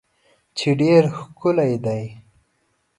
چې ډیر ښکلی دی